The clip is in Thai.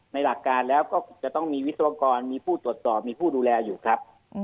หลักการแล้วก็จะต้องมีวิศวกรมีผู้ตรวจสอบมีผู้ดูแลอยู่ครับ